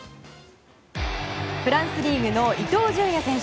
フランスリーグの伊東純也選手。